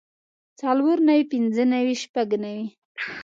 څلور نوي پنځۀ نوي شپږ نوي